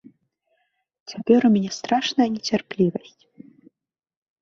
Цяпер у мяне страшная нецярплівасць.